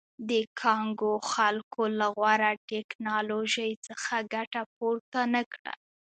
د کانګو خلکو له غوره ټکنالوژۍ څخه ګټه پورته نه کړه.